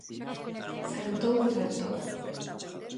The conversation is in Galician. Saltou e saltou.